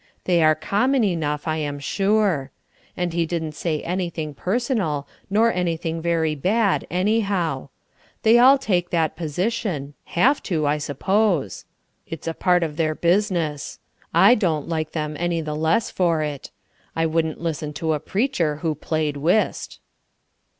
They are common enough, I am sure. And he didn't say anything personal, nor anything very bad, anyhow. They all take that position have to, I suppose; it's a part of their business. I don't like them any the less for it. I wouldn't listen to a preacher who played whist."